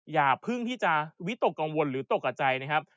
อย่าเพิ่งที่จะวิตกกังวลหรือตกกับใจนะครับ